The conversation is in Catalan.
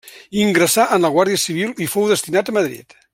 Ingressà en la Guàrdia Civil i fou destinat a Madrid.